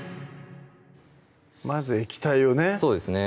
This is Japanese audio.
まず液体をね